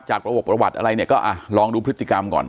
ประวกประวัติอะไรเนี่ยก็ลองดูพฤติกรรมก่อน